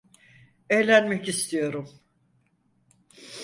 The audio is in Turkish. Eğlenmek istiyorum.